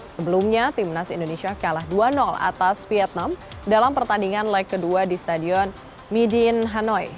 sebelumnya timnas indonesia kalah dua atas vietnam dalam pertandingan leg kedua di stadion midin hanoi